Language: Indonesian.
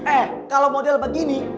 eh kalau model begini